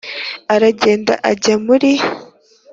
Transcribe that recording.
aragenda ajjya muri